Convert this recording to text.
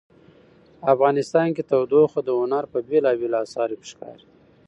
افغانستان کې تودوخه د هنر په بېلابېلو اثارو کې ښکاري.